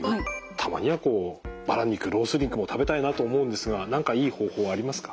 たまにはこうバラ肉ロース肉も食べたいなと思うんですが何かいい方法ありますか？